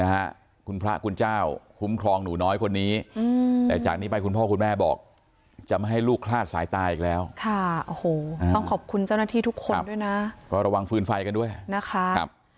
นะฮะคุณพระคุณเจ้าคุ้มครองหนูน้อยคนนี้อืมแต่จากนี้ไปคุณพ่อคุณแม่บอกจะไม่ให้ลูกคลาดสายตาอีกแล้วค่ะโอ้โหต้องขอบคุณเจ้าหน้าที่ทุกคนด้วยนะก็ระวังฟืนไฟกันด้วยนะคะครับ